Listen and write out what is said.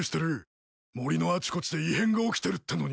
森のあちこちで異変が起きてるってのに。